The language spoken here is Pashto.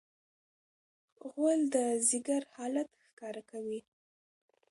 غول د ځیګر حالت ښکاره کوي.